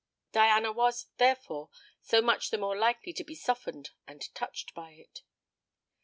Diana was, therefore, so much the more likely to be softened and touched by it.